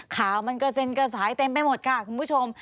ข่าวมันกระเซ็นกระสายเต็มไปหมดค่ะคุณผู้ชม